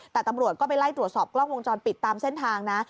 แต่ตำรวจก็ไปไล่ตรวจสอบกล้องวงจรปิดตามเส้นทางนะ